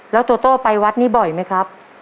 แล้วโตโต้ไปวัดนี้บ่อยไหมครับ